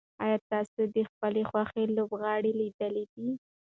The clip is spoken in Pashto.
ایا تاسي د خپلې خوښې لوبغاړی لیدلی دی؟